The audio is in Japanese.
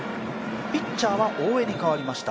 ピッチャーは大江に代わりました。